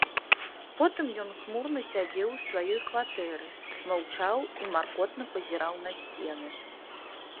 Потым ён хмурна сядзеў у сваёй кватэры, маўчаў і маркотна пазіраў на сцены.